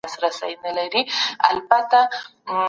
رشوت مه اخلئ او مه ورکوئ.